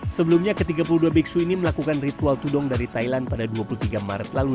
sebelumnya ke tiga puluh dua biksu ini melakukan ritual tudong dari thailand pada dua puluh tiga maret lalu